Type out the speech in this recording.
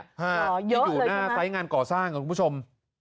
ห้าเยอะเลยใช่ไหมที่อยู่หน้าใต้งานก่อสร้างนะคุณผู้ชม